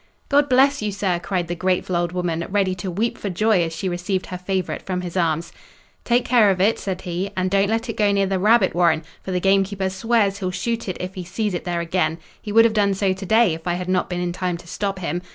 "God bless you, sir!" cried the grateful old woman, ready to weep for joy as she received her favourite from his arms. "Take care of it," said he, "and don't let it go near the rabbit warren, for the gamekeeper swears he'll shoot it if he sees it there again: he would have done so to day, if I had not been in time to stop him.